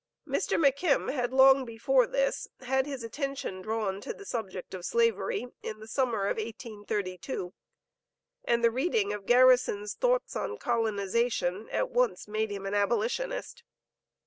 Mr. McKim had long before this had his attention drawn to the subject of slavery, in the summer of 1832; and the reading of Garrison's "Thoughts on Colonization," at once made him an abolitionist.